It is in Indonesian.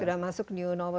sudah masuk new normal